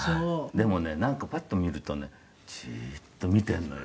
「でもねなんかパッと見るとねじーっと見ているのよ